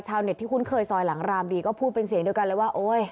ชาวเน็ตที่คุ้นเคยซอยหลังรามดีก็พูดเป็นเสียงเดียวกันเลยว่าโอ๊ย